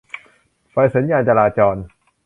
ไฟสัญญาณจราจร